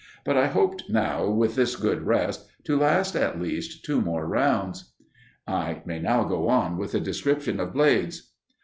But I hoped now, with this good rest, to last at least two more rounds. I may now go on with the description of Blades.